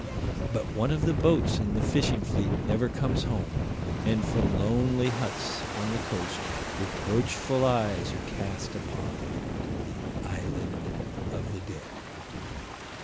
But one of the boats in the fishing fleet never comes home, and from lonely huts on the coast reproachful eyes are cast upon the "Island of the Dead."